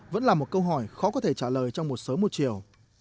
vẫn là một câu hỏi khó có thể trả lời trong một sớm một chiều